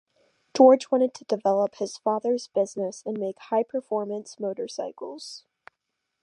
George wanted to develop his father's business and make high-performance motorcycles.